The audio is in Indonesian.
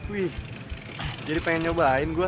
wih jadi pengen nyobain gue